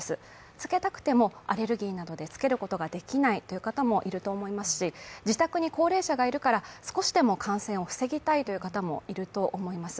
着けたくてもアレルギーなどで着けることができない方もいると思いますし、自宅に高齢者がいるから、少しでも感染を防ぎたいという方もいると思います。